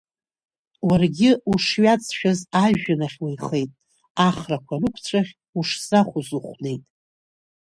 Уаргьы ушҩаҵшәаз ажәҩан ахь уеихеит, ахрақәа рықәцәахь ушзахәоз ухәнеит.